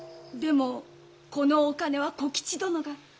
でもこのお金は小吉殿が。